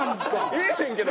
ええねんけど